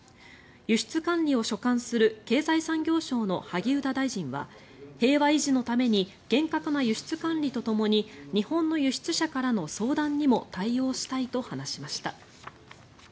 輸出管理を所管する経済産業省の萩生田大臣は平和維持のために厳格な輸出管理とともに日本の輸出者からの相談にも対応したいと話しました。